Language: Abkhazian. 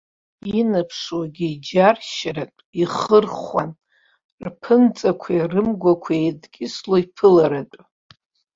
Инаԥшуагьы иџьыршьартә, ихырхәан рԥынҵақәеи рымгәақәеи еидкьысло иԥылартә.